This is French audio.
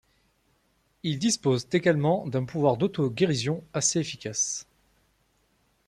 Ils disposent également d'un pouvoir d'auto-guérison assez efficace.